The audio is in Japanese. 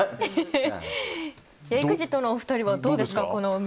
ＥＸＩＴのお二人はどうですか。